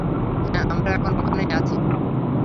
হ্যাঁ, আমরা এখন ওখানেই আছি।